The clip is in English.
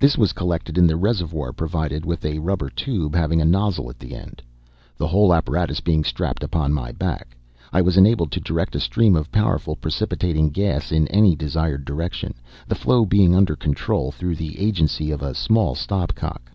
This was collected in the reservoir provided with a rubber tube having a nozzle at the end. The whole apparatus being strapped upon my back, I was enabled to direct a stream of powerful precipitating gas in any desired direction, the flow being under control through the agency of a small stopcock.